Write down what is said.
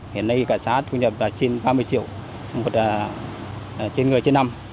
hiện nay cả xã thu nhập là trên ba mươi triệu trên người trên năm